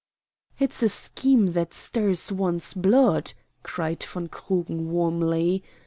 "It's a scheme that stirs one's blood," cried von Krugen warmly.